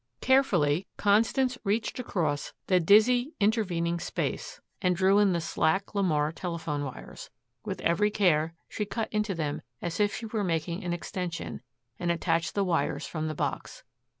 Carefully Constance reached across the dizzy intervening space, and drew in the slack LeMar telephone wires. With every care she cut into them as if she were making an extension, and attached the wires from the box.